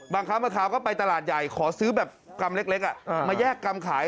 บางครั้งบางคราวก็ไปตลาดใหญ่ขอซื้อแบบกรัมเล็กมาแยกกรรมขาย